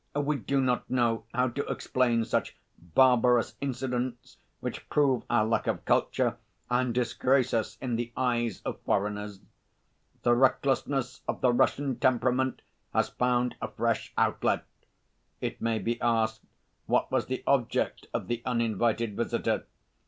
We do not know how to explain such barbarous incidents which prove our lack of culture and disgrace us in the eyes of foreigners. The recklessness of the Russian temperament has found a fresh outlet. It may be asked what was the object of the uninvited visitor?